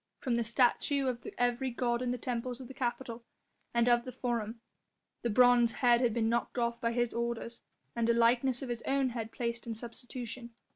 From the statue of every god in the temples of the Capitol and of the Forum the bronze head had been knocked off by his orders, and a likeness of his own head placed in substitution.